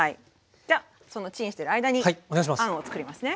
じゃあそのチンしてる間にあんをつくりますね。